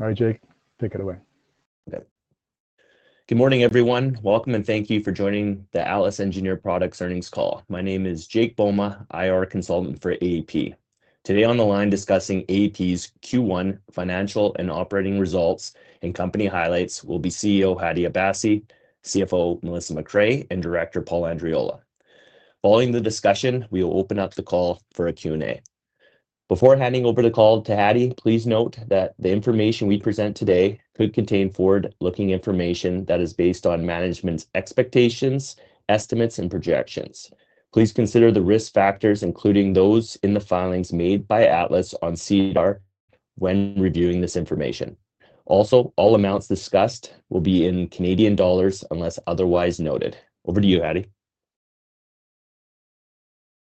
All right, Jake, take it away. Good morning, everyone. Welcome, and thank you for joining the Atlas Engineered Products Earnings Call. My name is Jake Bouma, IR Consultant for AEP. Today on the line discussing AEP's Q1 financial and operating results and company highlights will be CEO Hadi Abassi, CFO Melissa MacRae, and Director Paul Andreola. Following the discussion, we will open up the call for a Q&A. Before handing over the call to Hadi, please note that the information we present today could contain forward-looking information that is based on management's expectations, estimates, and projections. Please consider the risk factors, including those in the filings made by Atlas on SEDAR, when reviewing this information. Also, all amounts discussed will be in CAD unless otherwise noted. Over to you, Hadi.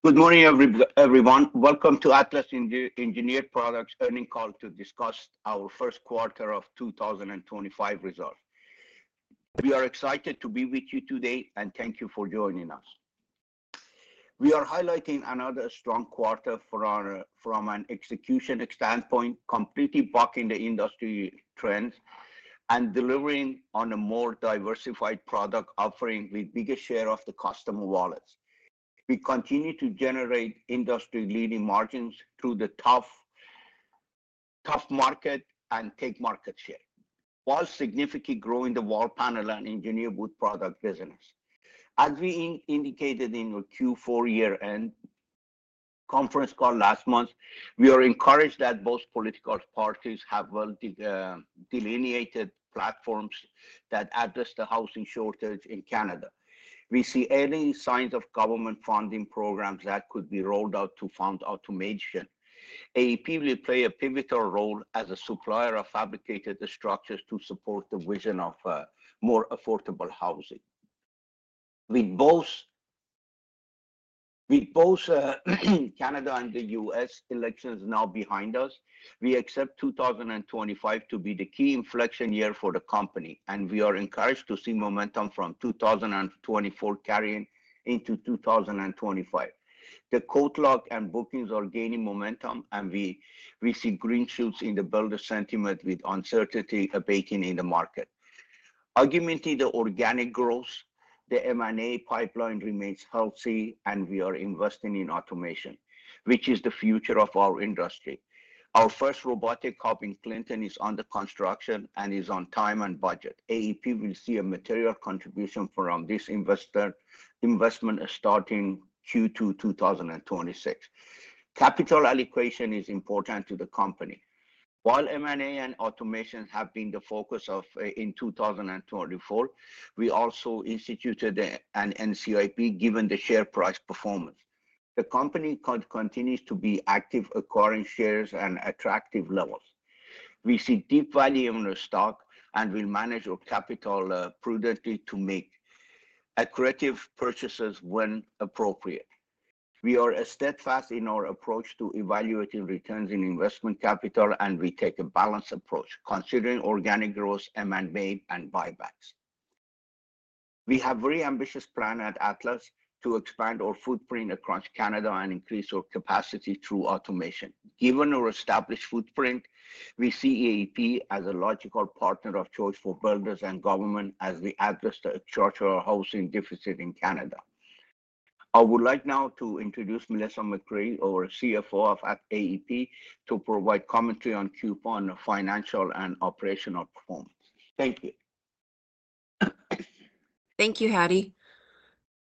Good morning, everyone. Welcome to Atlas Engineered Products' Earnings Call to discuss our first quarter of 2025 results. We are excited to be with you today, and thank you for joining us. We are highlighting another strong quarter from an execution standpoint, completely backing the industry trends and delivering on a more diversified product offering with a bigger share of the customer wallets. We continue to generate industry-leading margins through the tough market and take market share, while significantly growing the wall panel and engineered wood product business. As we indicated in the Q4 year-end conference call last month, we are encouraged that both political parties have well-delineated platforms that address the housing shortage in Canada. We see early signs of government funding programs that could be rolled out to fund automation. AEP will play a pivotal role as a supplier of fabricated structures to support the vision of more affordable housing. With both Canada and the U.S. elections now behind us, we expect 2025 to be the key inflection year for the company, and we are encouraged to see momentum from 2024 carrying into 2025. The catalog and bookings are gaining momentum, and we see green shoots in the builder sentiment with uncertainty baking in the market. Augmenting the organic growth, the M&A pipeline remains healthy, and we are investing in automation, which is the future of our industry. Our first robotic car, Clinton, is under construction and is on time and budget. AEP will see a material contribution from this investment starting Q2 2026. Capital allocation is important to the company. While M&A and automation have been the focus in 2024, we also instituted an NCIB given the share price performance. The company continues to be active, acquiring shares at attractive levels. We see deep value in the stock and will manage our capital prudently to make accurate purchases when appropriate. We are steadfast in our approach to evaluating returns in investment capital, and we take a balanced approach, considering organic growth, M&A, and buybacks. We have a very ambitious plan at Atlas to expand our footprint across Canada and increase our capacity through automation. Given our established footprint, we see AEP as a logical partner of choice for builders and government as we address the structural housing deficit in Canada. I would like now to introduce Melissa MacRae, our CFO of AEP, to provide commentary on Q4 on the financial and operational performance. Thank you. Thank you, Hadi.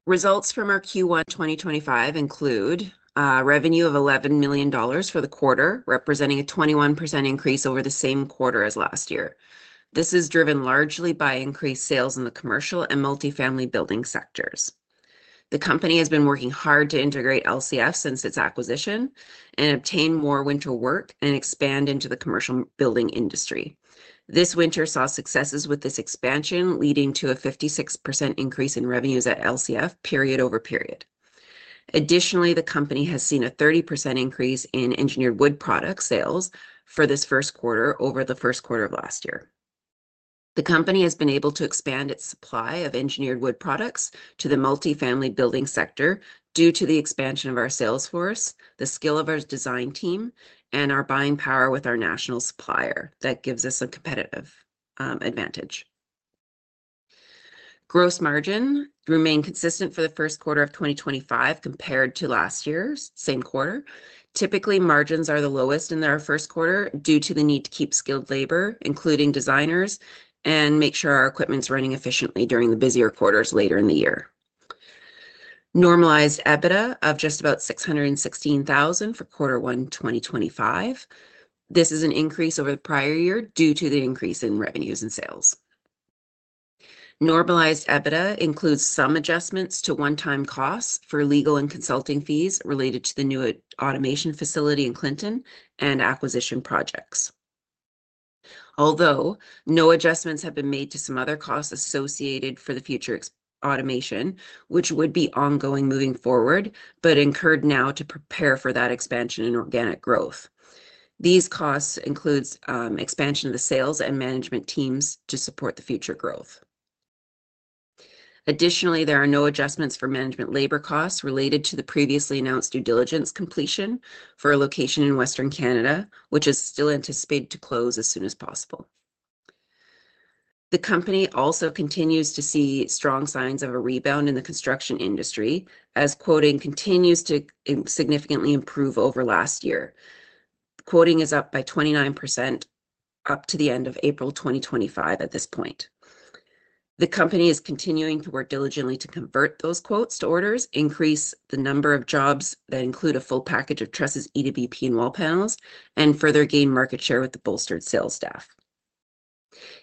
Results from our Q1 2025 include revenue of 11 million dollars for the quarter, representing a 21% increase over the same quarter as last year. This is driven largely by increased sales in the commercial and multifamily building sectors. The company has been working hard to integrate LCF since its acquisition and obtain more winter work and expand into the commercial building industry. This winter saw successes with this expansion, leading to a 56% increase in revenues at LCF period-over-period. Additionally, the company has seen a 30% increase in engineered wood product sales for this first quarter over the first quarter of last year. The company has been able to expand its supply of engineered wood products to the multifamily building sector due to the expansion of our sales force, the skill of our design team, and our buying power with our national supplier that gives us a competitive advantage. Gross margin remained consistent for the first quarter of 2025 compared to last year's same quarter. Typically, margins are the lowest in our first quarter due to the need to keep skilled labor, including designers, and make sure our equipment's running efficiently during the busier quarters later in the year. Normalized EBITDA of just about 616,000 for Q1 2025. This is an increase over the prior year due to the increase in revenues and sales. Normalized EBITDA includes some adjustments to one-time costs for legal and consulting fees related to the new automation facility in Clinton and acquisition projects. Although no adjustments have been made to some other costs associated for the future automation, which would be ongoing moving forward, but incurred now to prepare for that expansion in organic growth. These costs include expansion of the sales and management teams to support the future growth. Additionally, there are no adjustments for management labor costs related to the previously announced due diligence completion for a location in Western Canada, which is still anticipated to close as soon as possible. The company also continues to see strong signs of a rebound in the construction industry as quoting continues to significantly improve over last year. Quoting is up by 29% up to the end of April 2025 at this point. The company is continuing to work diligently to convert those quotes to orders, increase the number of jobs that include a full package of trusses, EWP, and wall panels, and further gain market share with the bolstered sales staff.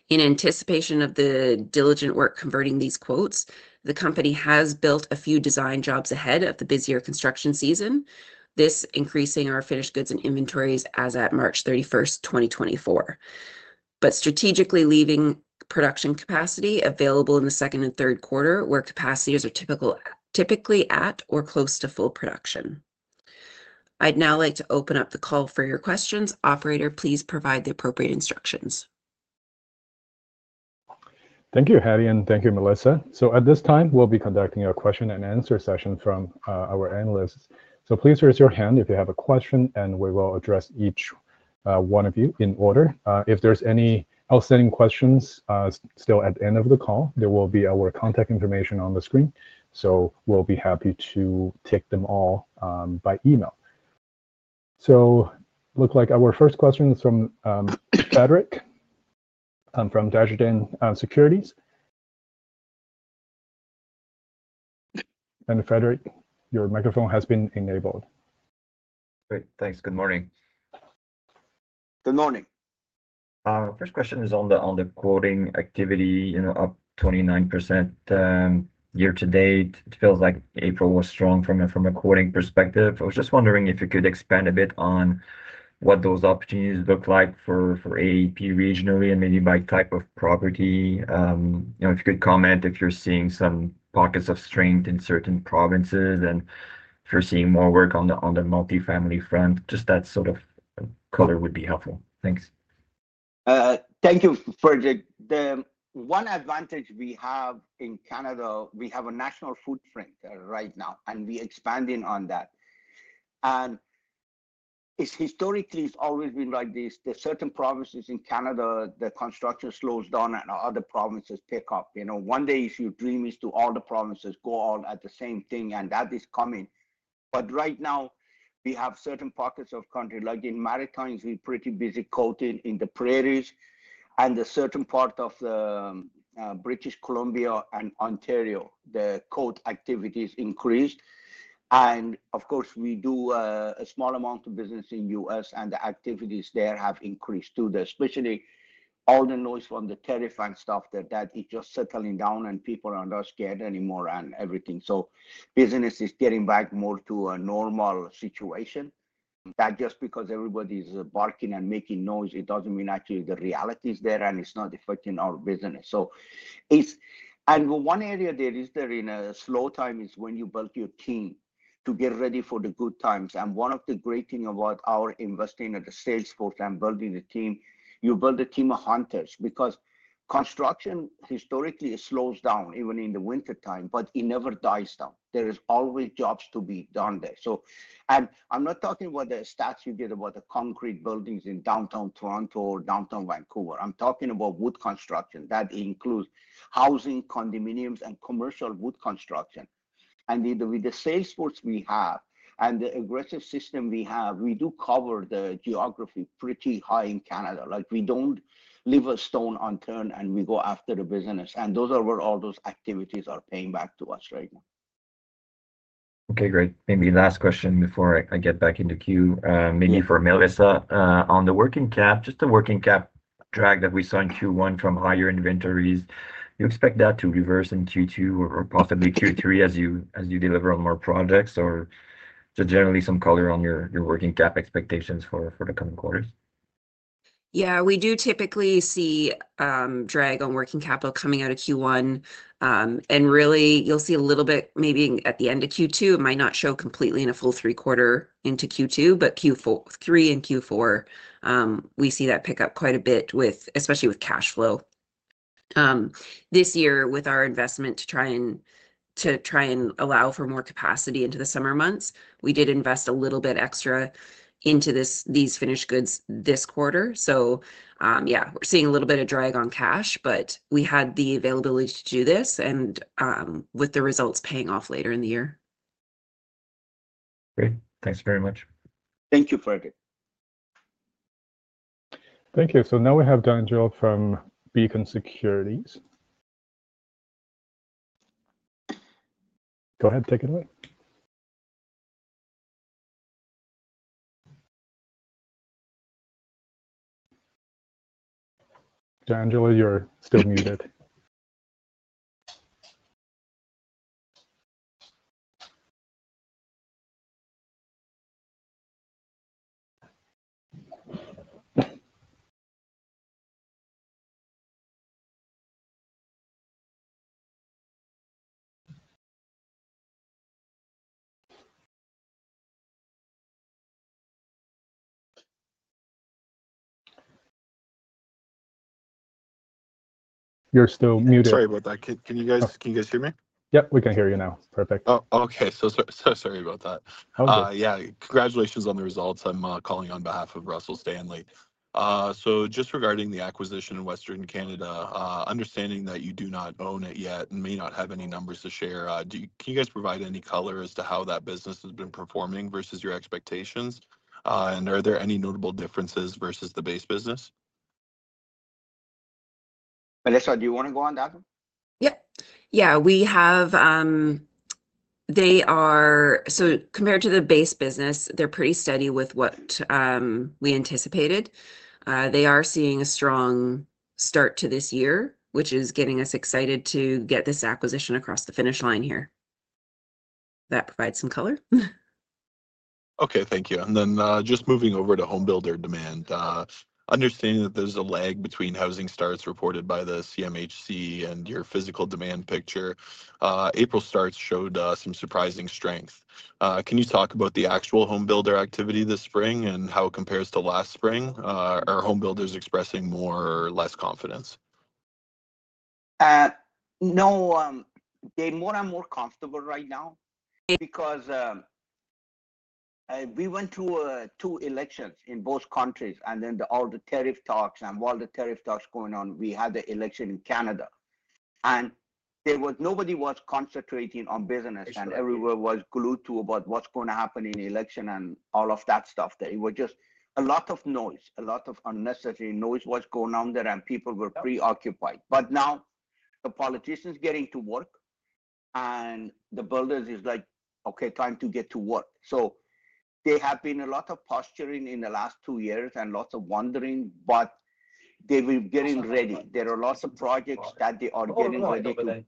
In anticipation of the diligent work converting these quotes, the company has built a few design jobs ahead of the busier construction season, thus increasing our finished goods and inventories as at March 31, 2024, but strategically leaving production capacity available in the second and third quarter where capacity is typically at or close to full production. I'd now like to open up the call for your questions. Operator, please provide the appropriate instructions. Thank you, Hadi. Thank you, Melissa. At this time, we will be conducting a question-and-answer session from our analysts. Please raise your hand if you have a question, and we will address each one of you in order. If there are any outstanding questions still at the end of the call, there will be our contact information on the screen. We will be happy to take them all by email. It looks like our first question is from Frederic from Desjardins Securities. Frederic, your microphone has been enabled. Great. Thanks. Good morning. Good morning. First question is on the quoting activity up 29% year-to-date. It feels like April was strong from a quoting perspective. I was just wondering if you could expand a bit on what those opportunities look like for AEP regionally and maybe by type of property. If you could comment if you're seeing some pockets of strength in certain provinces and if you're seeing more work on the multifamily front, just that sort of color would be helpful. Thanks. Thank you, Frederic. The one advantage we have in Canada, we have a national footprint right now, and we're expanding on that. Historically, it's always been like this. There are certain provinces in Canada that construction slows down, and other provinces pick up. One day, if your dream is to all the provinces go all at the same thing, and that is coming. Right now, we have certain pockets of country. Like in the Maritimes, we're pretty busy quoting, in the Prairies. There's a certain part of British Columbia and Ontario, the quote activity has increased. Of course, we do a small amount of business in the U.S., and the activities there have increased too, especially all the noise from the tariff and stuff that is just settling down, and people are not scared anymore and everything. Business is getting back more to a normal situation. That just because everybody's barking and making noise, it doesn't mean actually the reality is there and it's not affecting our business. One area there is there in a slow time is when you build your team to get ready for the good times. One of the great things about our investing at the sales force and building the team, you build a team of hunters because construction historically slows down even in the wintertime, but it never dies down. There are always jobs to be done there. I'm not talking about the stats you get about the concrete buildings in downtown Toronto or downtown Vancouver. I'm talking about wood construction. That includes housing, condominiums, and commercial wood construction. With the sales force we have and the aggressive system we have, we do cover the geography pretty high in Canada. We do not leave a stone unturned and we go after the business. Those are where all those activities are paying back to us right now. Okay, great. Maybe last question before I get back into Q, maybe for Melissa. On the working cap, just the working cap drag that we saw in Q1 from higher inventories, do you expect that to reverse in Q2 or possibly Q3 as you deliver on more projects or just generally some color on your working cap expectations for the coming quarters? Yeah, we do typically see drag on working capital coming out of Q1. Really, you'll see a little bit maybe at the end of Q2. It might not show completely in a full three-quarter into Q2, but Q3 and Q4, we see that pick up quite a bit, especially with cash flow. This year, with our investment to try and allow for more capacity into the summer months, we did invest a little bit extra into these finished goods this quarter. Yeah, we're seeing a little bit of drag on cash, but we had the availability to do this and with the results paying off later in the year. Great. Thanks very much. Thank you, Frederic. Thank you. So now we have Daniel from Beacon Securities. Go ahead, take it away. Daniel, you're still muted. You're still muted. Sorry about that. Can you guys hear me? Yep, we can hear you now. Perfect. Oh, okay. Sorry about that. Yeah. Congratulations on the results. I'm calling on behalf of Russell Stanley. Just regarding the acquisition in Western Canada, understanding that you do not own it yet and may not have any numbers to share, can you guys provide any color as to how that business has been performing versus your expectations? Are there any notable differences versus the base business? Melissa, do you want to go on that one? Yeah. Yeah, we have. Compared to the base business, they are pretty steady with what we anticipated. They are seeing a strong start to this year, which is getting us excited to get this acquisition across the finish line here. That provides some color. Okay. Thank you. Just moving over to home builder demand, understanding that there's a lag between housing starts reported by the CMHC and your physical demand picture, April starts showed some surprising strength. Can you talk about the actual home builder activity this spring and how it compares to last spring? Are home builders expressing more or less confidence? No, they're more and more comfortable right now. Because we went to two elections in both countries, and then all the tariff talks and all the tariff talks going on, we had the election in Canada. Nobody was concentrating on business, and everyone was glued to what's going to happen in the election and all of that stuff. There was just a lot of noise, a lot of unnecessary noise was going on there, and people were preoccupied. Now the politicians are getting to work, and the builders are like, "Okay, time to get to work." There have been a lot of posturing in the last two years and lots of wandering, but they were getting ready. There are lots of projects that they are getting ready to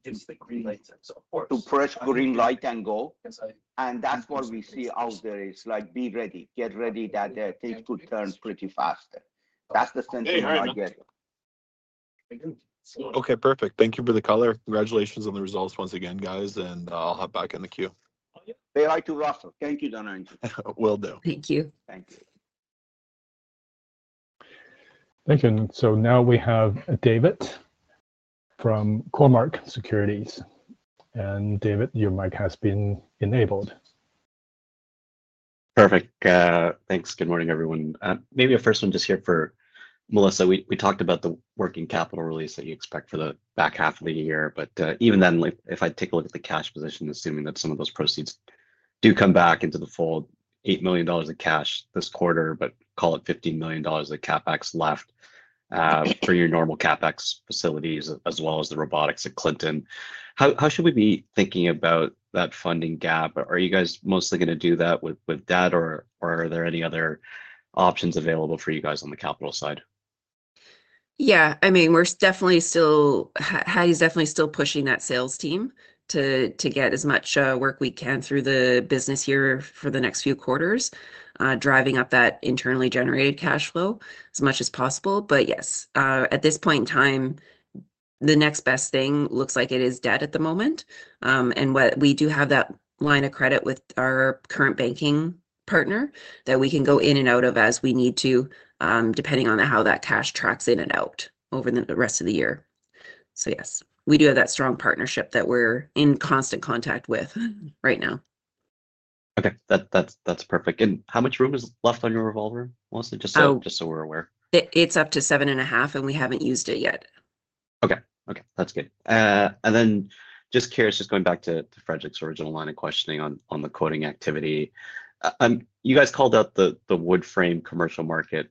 press green light and go. That's what we see out there. It's like, "Be ready. Get ready that things could turn pretty fast. That is the sentiment I get. Okay. Perfect. Thank you for the color. Congratulations on the results once again, guys. I'll hop back in the queue. Thank you, Russell. Thank you, Daniel. Will do. Thank you. Thank you. Thank you. Now we have David from Cormark Securities. David, your mic has been enabled. Perfect. Thanks. Good morning, everyone. Maybe a first one just here for Melissa. We talked about the working capital release that you expect for the back half of the year. Even then, if I take a look at the cash position, assuming that some of those proceeds do come back into the full 8 million dollars in cash this quarter, but call it 15 million dollars of CapEx left for your normal CapEx facilities, as well as the robotics at Clinton, how should we be thinking about that funding gap? Are you guys mostly going to do that with debt, or are there any other options available for you guys on the capital side? Yeah. I mean, we're definitely still, Hadi's definitely still pushing that sales team to get as much work we can through the business here for the next few quarters, driving up that internally generated cash flow as much as possible. Yes, at this point in time, the next best thing looks like it is debt at the moment. We do have that line of credit with our current banking partner that we can go in and out of as we need to, depending on how that cash tracks in and out over the rest of the year. Yes, we do have that strong partnership that we're in constant contact with right now. Okay. That's perfect. How much room is left on your revolver, Melissa? Just so we're aware. It's up to 7.5, and we haven't used it yet. Okay. Okay. That's good. Just curious, just going back to Frederic's original line of questioning on the quoting activity, you guys called out the wood frame commercial market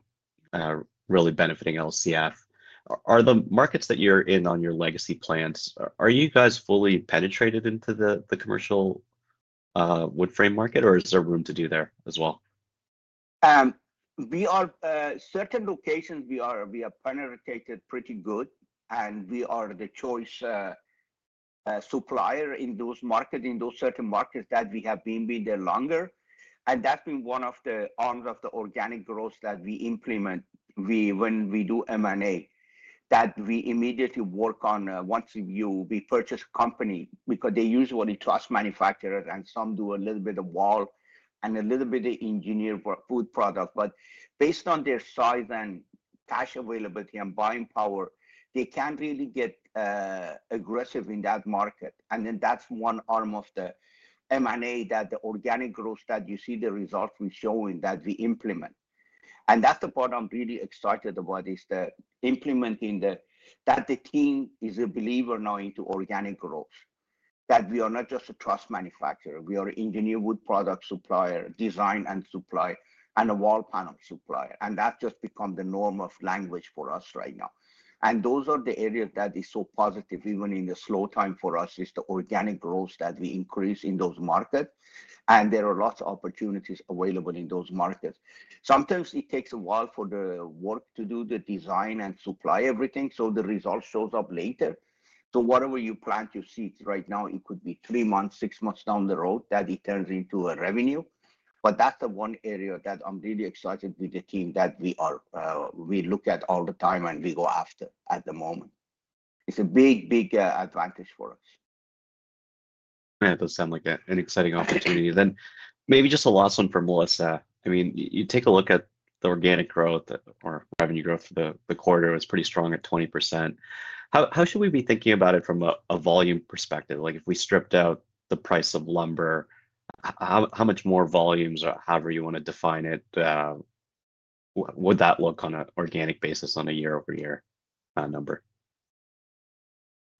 really benefiting LCF. Are the markets that you're in on your legacy plants, are you guys fully penetrated into the commercial wood frame market, or is there room to do there as well? Certain locations, we are penetrated pretty good, and we are the choice supplier in those markets, in those certain markets that we have been there longer. That has been one of the arms of the organic growth that we implement when we do M&A, that we immediately work on once we purchase a company because they usually trust manufacturers, and some do a little bit of wall and a little bit of engineered wood products. Based on their size and cash availability and buying power, they cannot really get aggressive in that market. That is one arm of the M&A, the organic growth that you see the results we are showing that we implement. That is the part I am really excited about, is the implementing that the team is a believer now into organic growth, that we are not just a truss manufacturer. We are an engineered wood product supplier, design and supply, and a wall panel supplier. That just becomes the norm of language for us right now. Those are the areas that are so positive, even in the slow time for us, is the organic growth that we increase in those markets. There are lots of opportunities available in those markets. Sometimes it takes a while for the work to do the design and supply everything, so the result shows up later. Whatever you plant, you see right now, it could be three months, six months down the road that it turns into a revenue. That is the one area that I'm really excited with the team that we look at all the time and we go after at the moment. It's a big, big advantage for us. Yeah, it does sound like an exciting opportunity. Maybe just a last one for Melissa. I mean, you take a look at the organic growth or revenue growth for the quarter, it was pretty strong at 20%. How should we be thinking about it from a volume perspective? If we stripped out the price of lumber, how much more volumes, however you want to define it, would that look on an organic basis on a year-over-year number?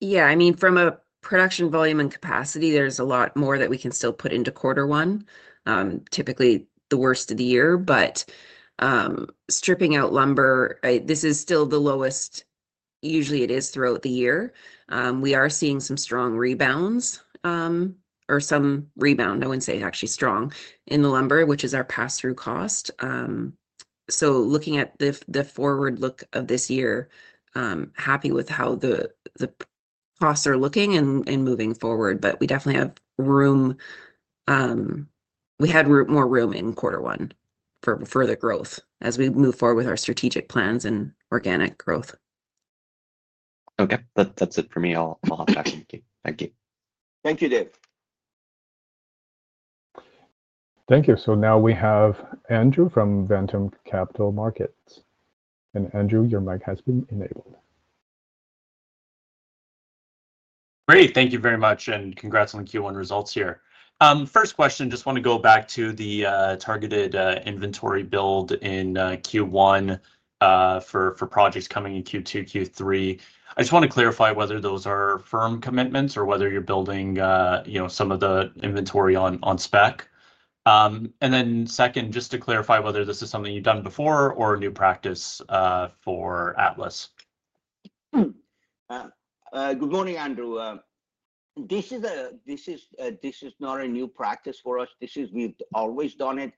Yeah. I mean, from a production volume and capacity, there's a lot more that we can still put into quarter one, typically the worst of the year. Stripping out lumber, this is still the lowest. Usually, it is throughout the year. We are seeing some rebounds or some rebound. I wouldn't say actually strong in the lumber, which is our pass-through cost. Looking at the forward look of this year, happy with how the costs are looking and moving forward, but we definitely have room. We had more room in quarter 1 for further growth as we move forward with our strategic plans and organic growth. Okay. That's it for me. I'll hop back in the queue. Thank you. Thank you, Dave. Thank you. Now we have Andrew from Ventum Capital Markets. Andrew, your mic has been enabled. Great. Thank you very much. Congrats on the Q1 results here. First question, just want to go back to the targeted inventory build in Q1 for projects coming in Q2, Q3. I just want to clarify whether those are firm commitments or whether you're building some of the inventory on spec. Second, just to clarify whether this is something you've done before or a new practice for Atlas. Good morning, Andrew. This is not a new practice for us. We've always done it.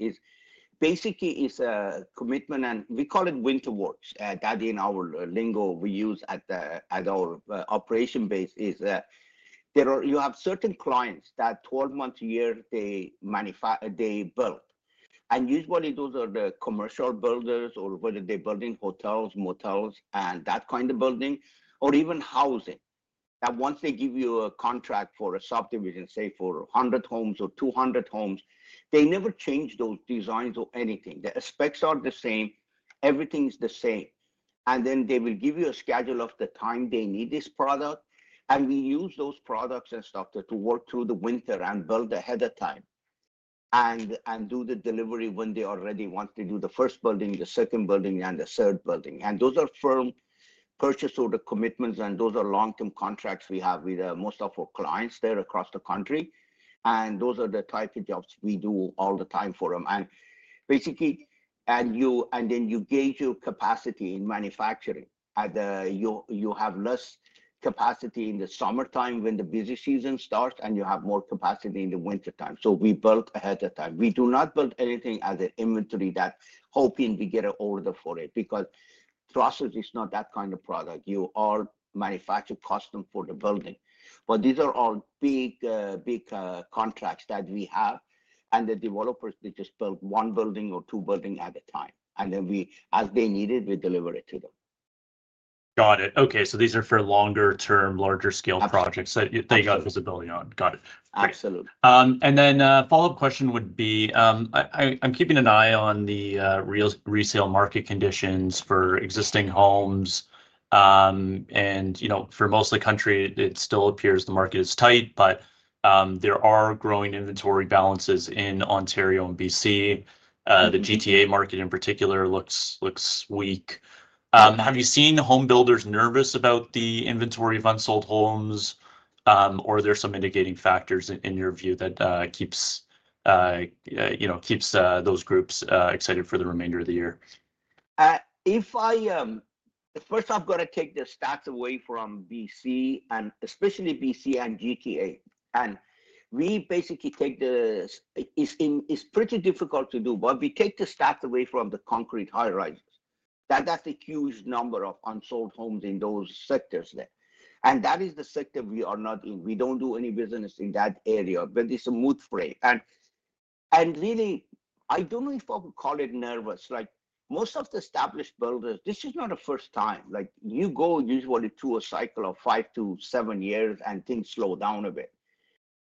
Basically, it's a commitment, and we call it winter works. That, in our lingo we use at our operation base, is you have certain clients that 12 months a year, they build. Usually, those are the commercial builders, whether they're building hotels, motels, and that kind of building, or even housing. Now, once they give you a contract for a subdivision, say for 100 homes or 200 homes, they never change those designs or anything. The specs are the same. Everything is the same. They will give you a schedule of the time they need this product. We use those products and stuff to work through the winter and build ahead of time and do the delivery when they already want to do the first building, the second building, and the third building. Those are firm purchase order commitments, and those are long-term contracts we have with most of our clients there across the country. Those are the type of jobs we do all the time for them. You gauge your capacity in manufacturing. You have less capacity in the summertime when the busy season starts, and you have more capacity in the wintertime. We build ahead of time. We do not build anything as an inventory hoping we get an order for it because trusses is not that kind of product. You are manufacturing custom for the building. These are all big contracts that we have. The developers, they just build one building or two buildings at a time. As they need it, we deliver it to them. Got it. Okay. So these are for longer-term, larger-scale projects. So they got visibility on it. Got it. Absolutely. A follow-up question would be, I'm keeping an eye on the resale market conditions for existing homes. For most of the country, it still appears the market is tight, but there are growing inventory balances in Ontario and British Columbia. The GTA market in particular looks weak. Have you seen home builders nervous about the inventory of unsold homes, or are there some mitigating factors in your view that keeps those groups excited for the remainder of the year? First, I've got to take the stats away from B.C., and especially B.C. and GTA. We basically take the, it's pretty difficult to do, but we take the stats away from the concrete high rises. That's a huge number of unsold homes in those sectors there. That is the sector we are not in. We do not do any business in that area, but it's a mood frame. Really, I do not know if I would call it nervous. Most of the established builders, this is not a first time. You usually go to a cycle of five to seven years, and things slow down a bit.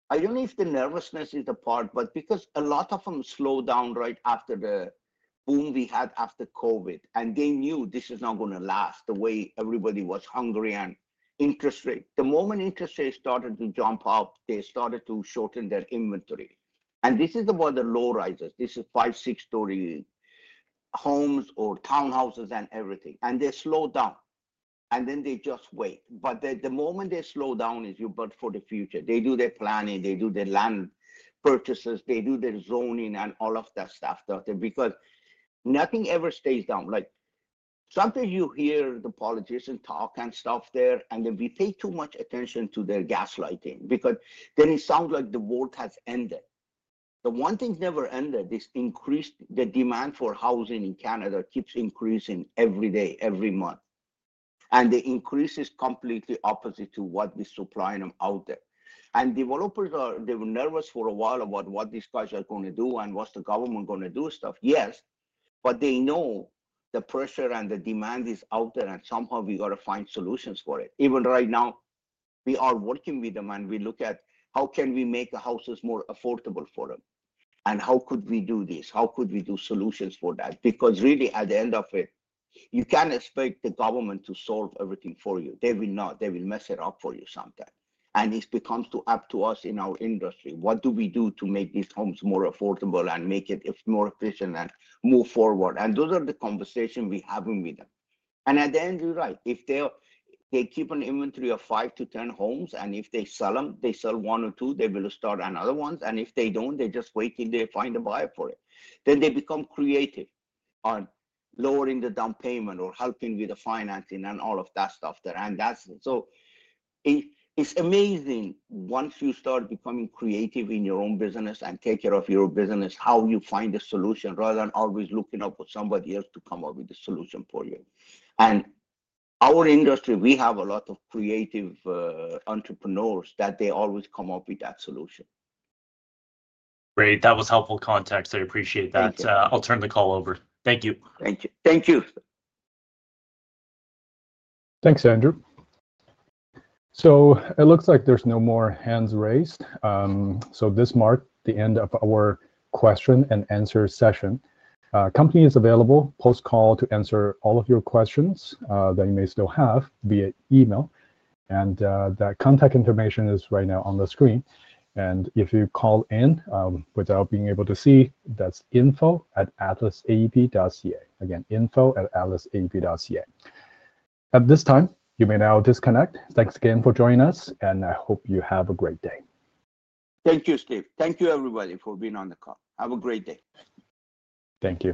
I do not know if the nervousness is a part, but because a lot of them slowed down right after the boom we had after COVID, and they knew this is not going to last the way everybody was hungry and interest rate. The moment interest rates started to jump up, they started to shorten their inventory. This is about the low rises. This is five, six-story homes or townhouses and everything. They slowed down. They just wait. The moment they slow down is you build for the future. They do their planning. They do their land purchases. They do their zoning and all of that stuff because nothing ever stays down. Sometimes you hear the politicians talk and stuff there, and we pay too much attention to their gaslighting because then it sounds like the world has ended. The one thing never ended is increased the demand for housing in Canada keeps increasing every day, every month. The increase is completely opposite to what we supply them out there. Developers, they were nervous for a while about what these guys are going to do and what the government is going to do and stuff. Yes, but they know the pressure and the demand is out there, and somehow we have to find solutions for it. Even right now, we are working with them, and we look at how can we make houses more affordable for them? How could we do this? How could we do solutions for that? Because really, at the end of it, you cannot expect the government to solve everything for you. They will not. They will mess it up for you sometimes. It becomes up to us in our industry. What do we do to make these homes more affordable and make it more efficient and move forward? Those are the conversations we are having with them. At the end, you are right. If they keep an inventory of 5-10 homes, and if they sell them, they sell one or two, they will start another one. If they do not, they just wait till they find a buyer for it. They become creative on lowering the down payment or helping with the financing and all of that stuff there. It is amazing once you start becoming creative in your own business and take care of your business, how you find a solution rather than always looking up for somebody else to come up with the solution for you. In our industry, we have a lot of creative entrepreneurs that always come up with that solution. Great. That was helpful context. I appreciate that. I'll turn the call over. Thank you. Thank you. Thank you. Thanks, Andrew. It looks like there are no more hands raised. This marks the end of our question and answer session. The company is available post-call to answer all of your questions that you may still have via email. That contact information is right now on the screen. If you called in without being able to see, that is info@atlasep.ca Again, info@atlasep.ca. At this time, you may now disconnect. Thanks again for joining us, and I hope you have a great day. Thank you, Steve. Thank you, everybody, for being on the call. Have a great day. Thank you.